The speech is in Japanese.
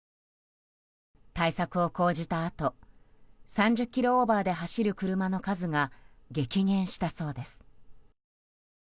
対策を講じたあと３０キロオーバーで走る車の数が激減したそうです。